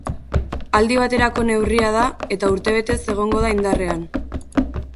Aldi baterako neurria da eta urtebetez egongo da indarrean.